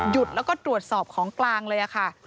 หยุดแล้วก็ตรวจสอบของกลางเลยอ่ะค่ะ